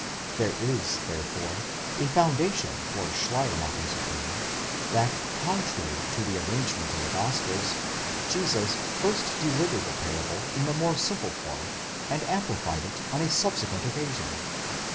There is, therefore, a foundation for Schleiermacher's opinion, that contrary to the arrangement in the Gospels, Jesus first delivered the parable in the more simple form, and amplified it on a subsequent occa sion.